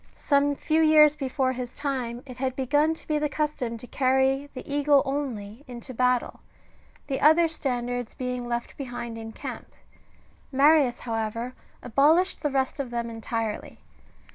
^ Some few years before his time it had begun to be the custom to carry the eagle only into battle, the other standards being left behind in camp ; Marius, however, abolished the rest of them entirely.